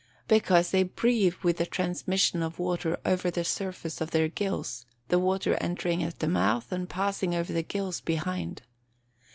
_ Because they breathe by the transmission of water over the surface of their gills, the water entering at the mouth, and passing over the gills behind.